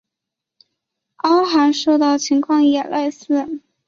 凹函数的情况也类似。